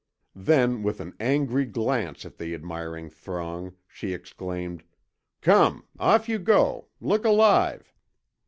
Then, with an angry glance at the admiring throng, she exclaimed: "Come, off you go! Look alive!"